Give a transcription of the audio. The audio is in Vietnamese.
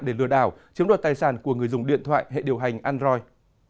để lừa đảo chiếm đoạt tài sản của người dùng điện thoại hệ điều hành android